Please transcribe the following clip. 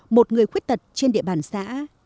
một người khuyết tật trên địa bàn xã